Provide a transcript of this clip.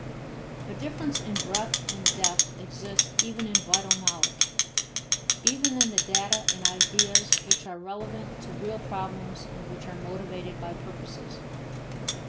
A difference in breadth and depth exists even in vital knowledge; even in the data and ideas which are relevant to real problems and which are motivated by purposes.